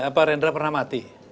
apa rendra pernah mati